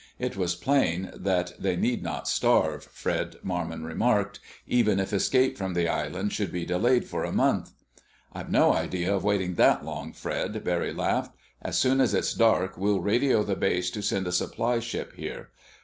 It was plain that they need not starve, Fred Marmon remarked, even if escape from the island should be delayed for a month. "I've no idea of waiting that long, Fred," Barry laughed. "As soon as it's dark, we'll radio the base to send a supply ship here.